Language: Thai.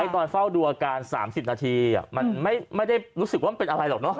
ตอนเฝ้าดูอาการ๓๐นาทีมันไม่ได้รู้สึกว่ามันเป็นอะไรหรอกเนอ